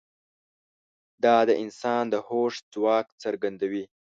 دا د انسان د هوښ ځواک څرګندوي.